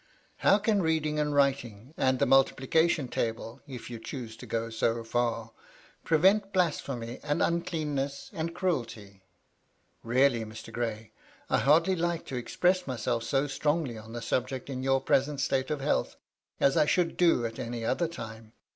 How can reading and writing, and the multiplication table (if you choose to go so far), prevent blasphemy, and uncleanness and cruelty ? Really, Mr. Gray, I hardly like to express myself to strongly on the subject in your present state of health, as I should do at any other time.